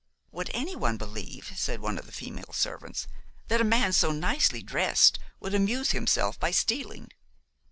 "Would any one believe," said one of the female servants, "that a man so nicely dressed would amuse himself by stealing?"